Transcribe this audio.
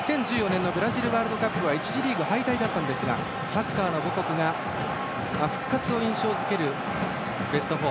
２０１４年のブラジルワールドカップは１次リーグ敗退だったんですがサッカーの母国が復活を印象付けるベスト４。